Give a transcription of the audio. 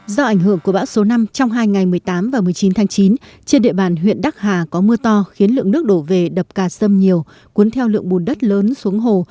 do ảnh hưởng của bão số năm trong hai ngày một mươi tám và một mươi chín tháng chín trên địa bàn huyện đắc hà có mưa to khiến lượng nước đổ về đập cà sâm nhiều cuốn theo lượng bùn đất lớn xuống hồ